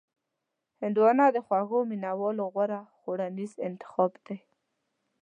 هندوانه د خوږو مینوالو غوره خوړنیز انتخاب دی.